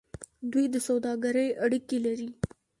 دوی د سوداګرۍ اړیکې لرلې.